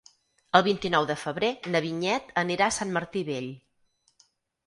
El vint-i-nou de febrer na Vinyet anirà a Sant Martí Vell.